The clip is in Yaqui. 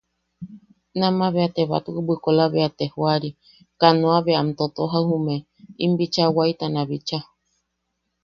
Nama bea te batwe bwikola bea te joari, kanoa bea am totoja jume, im bicha waitana bicha.